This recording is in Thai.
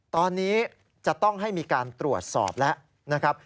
ตอนนี้จะต้องให้มีการตรวจสอบแล้วนะครับ